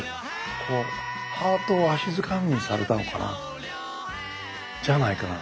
こうハートをわしづかみにされたのかなじゃないかな。